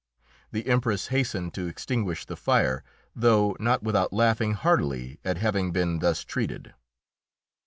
The Empress hastened to extinguish the fire, though not without laughing heartily at having been thus treated.